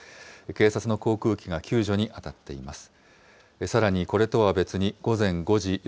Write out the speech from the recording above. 警察の航空機が救助に当たっています。